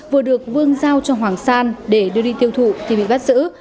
vừa được vương giao cho hoàng san để đưa đi tiêu thụ thì bị bắt giữ